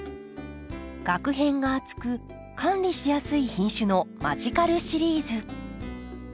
がく片が厚く管理しやすい品種のマジカルシリーズ。